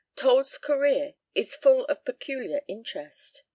Told's career is full of peculiar interest.